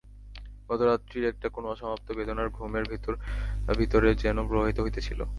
গতরাত্রির একটা কোনো অসমাপ্ত বেদনা ঘুমের ভিতরে ভিতরে যেন প্রবাহিত হইতেছিল।